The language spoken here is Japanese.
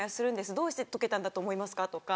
どうして解けたんだと思いますか？」とか。